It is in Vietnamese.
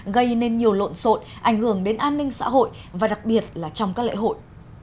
gây nên nhiều lộn xộn ảnh hưởng đến an ninh xã hội và đặc biệt là trong các lễ hội